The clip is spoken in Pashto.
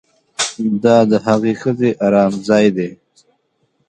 دا د هغې ښځې ارام ځای دی